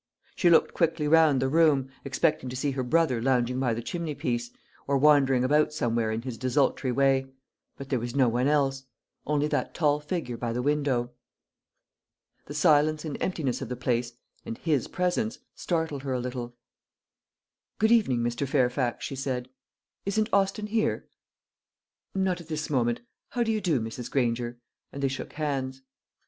She looked quickly round the room, expecting to see her brother lounging by the chimney piece, or wandering about somewhere in his desultory way; but there was no one else, only that tall figure by the window. The silence and emptiness of the place, and his presence, startled her a little. "Good evening, Mr. Fairfax," she said. "Isn't Austin here?" "Not at this moment. How do you do, Mrs. Granger?" and they shook hands.